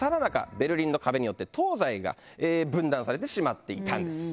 ベルリンの壁によって東西が分断されてしまっていたんです。